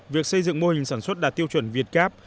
việc xây dựng mô hình sản xuất đạt tiêu chuẩn việt gáp